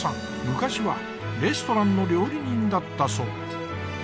昔はレストランの料理人だったそう。